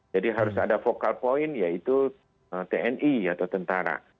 jadi harus ada focal point yaitu tni atau tentara